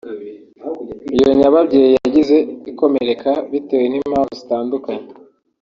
Iyo nyababyeyi yagiye ikomereka bitewe n’impamvu zitandukanye